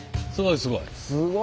すごいすごい。